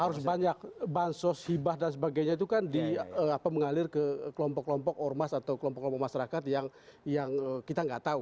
harus banyak bansos hibah dan sebagainya itu kan mengalir ke kelompok kelompok ormas atau kelompok kelompok masyarakat yang kita nggak tahu